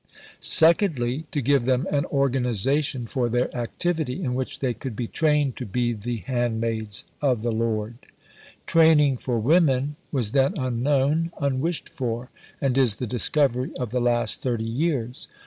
Secondly, to give them an organization for their activity in which they could be trained to be the 'handmaids of the Lord.' (Training for women was then unknown, unwished for, and is the discovery of the last thirty years.